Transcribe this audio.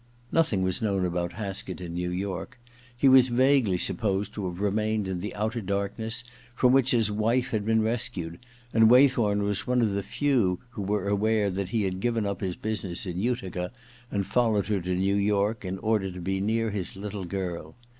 Nothing was known about Haskett in New York. He was vaguely supposed to have remained in the outer darkness from which his wife had been rescued, and Waythorn was one of the few who were aware that he had given up his business in Utica and followed her to New York in order to be near his little girl.